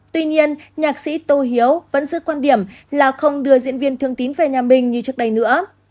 tuy nhiên nhạc sĩ tô hiếu vẫn giữ quan điểm là không đưa diễn viên thương tín về nhà mình như trước đây nữa